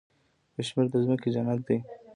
کشمیر د ځمکې جنت دی.